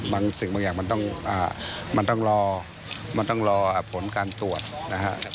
บางสิ่งบางอย่างมันต้องรอผลการตรวจ